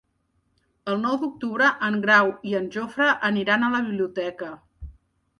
El nou d'octubre en Grau i en Jofre aniran a la biblioteca.